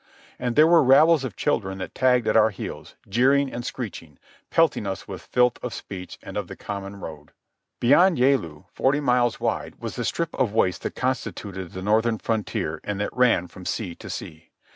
And there were rabbles of children that tagged at our heels, jeering and screeching, pelting us with filth of speech and of the common road. Beyond the Yalu, forty miles wide, was the strip of waste that constituted the northern frontier and that ran from sea to sea.